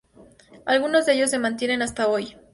Algunos de ellos se mantienen hasta hoy.